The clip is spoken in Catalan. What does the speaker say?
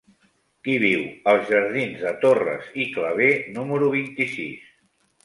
Qui viu als jardins de Torres i Clavé número vint-i-sis?